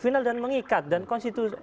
final dan mengikat dan konstitusi